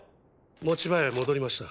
持ち場へ戻りました。